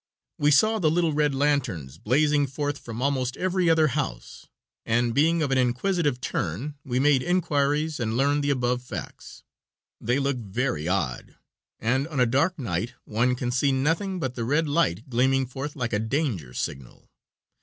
We saw the little red lanterns blazing forth from almost every other house, and being of an inquisitive turn we made inquiries and learned the above facts. They look very odd, and on a dark night one can see nothing but the red light gleaming forth like a danger signal.